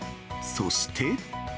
そして。